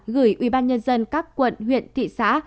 gửi ubnd các quận huyện thị xã